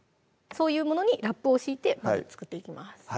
そういうものにラップを敷いて作っていきます